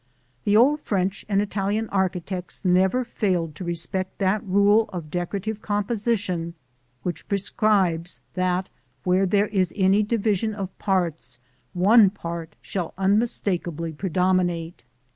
The old French and Italian architects never failed to respect that rule of decorative composition which prescribes that where there is any division of parts, one part shall unmistakably predominate.